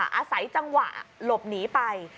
อาศัยจังหวะหลบหนีไป